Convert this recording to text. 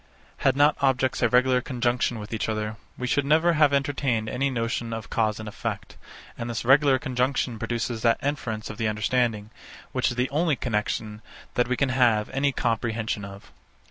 Had not objects a regular conjunction with each other, we should never have entertained any notion of cause and effect; and this regular conjunction produces that inference of the understanding, which is the only connexion, that we can have any comprehension of.